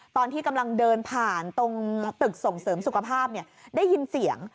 ตอนที่กำลังเดินผ่านตรงตึกส่งเสริมสุขภาพได้ยินเสียง